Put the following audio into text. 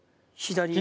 左。